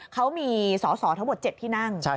เขามีสอสอทั้งหมด๗ที่นั่ง